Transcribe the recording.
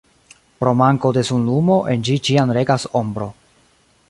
Pro manko de sunlumo, en ĝi ĉiam regas ombro.